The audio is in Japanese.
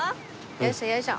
よいしょよいしょ。